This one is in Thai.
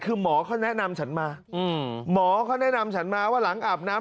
คือหมอเขาแนะนำฉันมาหมอเขาแนะนำฉันมาว่าหลังอาบน้ำ